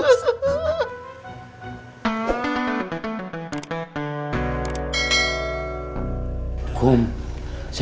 masa sudah ini pertarungan utama kita